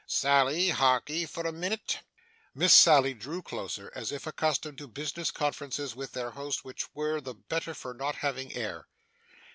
Sally, hark'ee for a minute.' Miss Sally drew closer, as if accustomed to business conferences with their host which were the better for not having air.